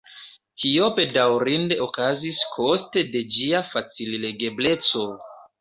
Tio bedaŭrinde okazis koste de ĝia facil-legebleco.